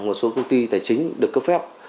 một số công ty tài chính được cấp phép